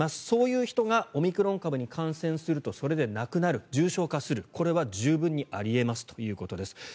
そういう人がオミクロン株に感染するとそれで亡くなる重症化するこれは十分にあり得ますということです。